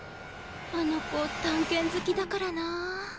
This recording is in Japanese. あの子探検好きだからなぁ。